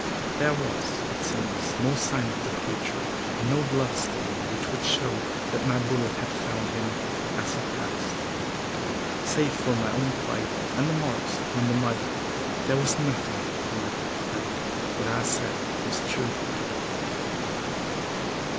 There was, it seems, no sign of the creature, and no bloodstain which would show that my bullet had found him as he passed. Save for my own plight and the marks upon the mud, there was nothing to prove that what I said was true.